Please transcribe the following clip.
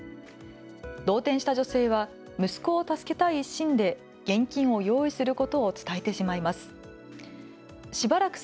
動転した女性は息子を助けたい一心で現金を用意することを伝えてしまいます。